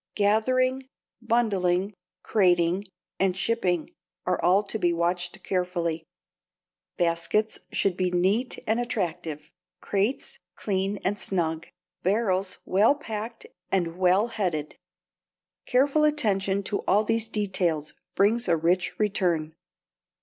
Gathering, bundling, crating, and shipping are all to be watched carefully. Baskets should be neat and attractive, crates clean and snug, barrels well packed and well headed. Careful attention to all these details brings a rich return.